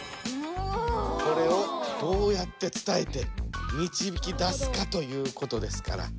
これをどうやって伝えてみちびきだすかということですから。